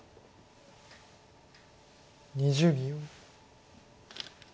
２０秒。